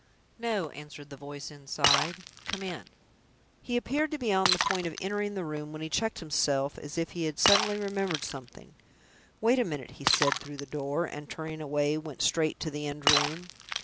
"No," answered the voice inside; "come in." He appeared to be on the point of entering the room, when he checked himself as if he had suddenly remembered something. "Wait a minute," he said, through the door, and, turning away, went straight to the end room.